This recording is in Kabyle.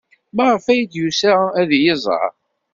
Maɣef ay d-yusa ad iyi-iẓer?